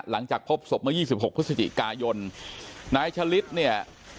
หลังจากพบศพเมื่อยี่สิบหกพฤศจิกายนนายชะลิดเนี่ย